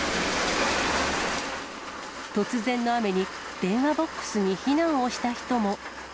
突然の雨に、電話ボックスに避難をした人も。